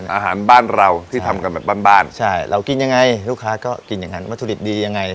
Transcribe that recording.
อาหารบ้านเราที่ทำกันแบบบ้านบ้านใช่เรากินยังไงลูกค้าก็กินอย่างนั้นวัตถุดิบดียังไง